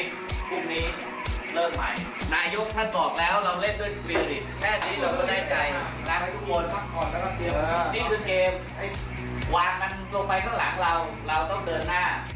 รักทุกคนนี่คือเกมวางกันตรงไปข้างหลังเราเราต้องเดินหน้า